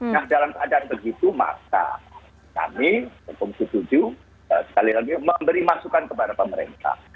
nah dalam keadaan begitu maka kami komisi tujuh sekali lagi memberi masukan kepada pemerintah